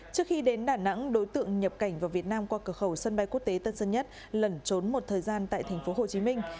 trước khi đến đà nẵng đối tượng nhập cảnh vào việt nam qua cửa khẩu sân bay quốc tế tân sơn nhất lẩn trốn một thời gian tại thành phố hồ chí minh